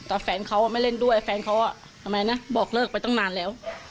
แต่แฟนเขาไม่เล่นด้วยแฟนเขาทำไมนะบอกเลิกไปตั้งนานแล้ว